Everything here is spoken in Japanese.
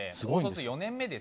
４年目です